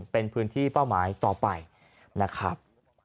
เป็นพื้นที่เป้าหมายต่อไปนะครับ